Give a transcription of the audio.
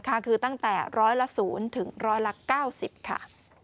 คือตั้งแต่ร้อยละ๐ถึงร้อยละ๙๐ค่ะ